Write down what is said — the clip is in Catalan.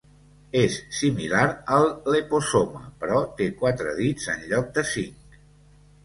És similar al "Leposoma", però té quatre dits en lloc de cinc.